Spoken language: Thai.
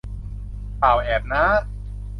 ป่าวแอบน้า